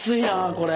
これ。